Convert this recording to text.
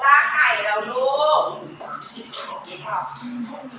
เดี๋ยวเรียงมีข้ากินเราจะพาไปเที่ยว